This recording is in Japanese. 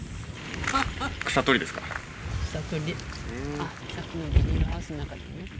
あっさっきのビニールハウスの中のね。